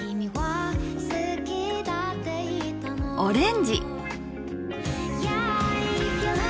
オレンジ。